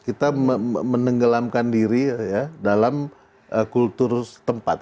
kita menenggelamkan diri dalam kultur tempat